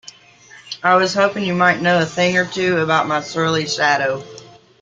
I was hoping you might know a thing or two about my surly shadow?